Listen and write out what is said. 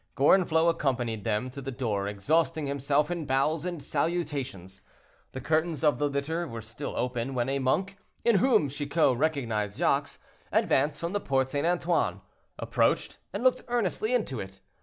Gorenflot accompanied them to the door, exhausting himself in bows and salutations. The curtains of the litter were still open, when a monk, in whom Chicot recognized Jacques, advanced from the Porte St. Antoine, approached, and looked earnestly into it.